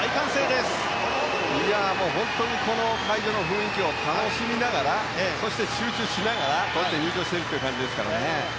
会場の雰囲気を楽しみながらそして集中しながらこうやって入場しているという感じですね。